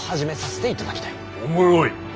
おもろい。